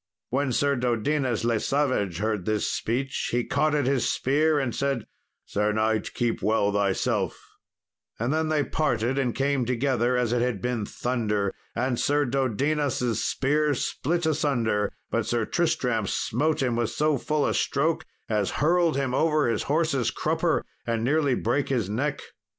When Sir Dodinas le Savage heard this speech, he caught at his spear and said, "Sir knight, keep well thyself;" and then they parted and came together as it had been thunder, and Sir Dodinas' spear split asunder; but Sir Tristram smote him with so full a stroke as hurled him over his horse's crupper, and nearly brake his neck.